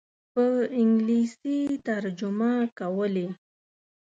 په انګلیسي ترجمه کولې.